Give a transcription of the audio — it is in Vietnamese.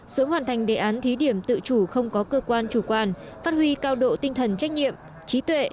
sớm hoàn thành đề án thí điểm tự chủ không có cơ quan chủ quan phát huy cao độ tinh thần trách nhiệm trí tuệ